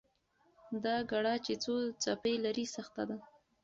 دا ګړه چې څو څپې لري، سخته ده.